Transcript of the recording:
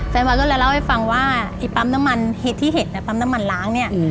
แฟนบอลก็เลยเล่าให้ฟังว่าไอ้ปั๊มน้ำมันเห็ดที่เห็นปั๊มน้ำมันล้างเนี่ย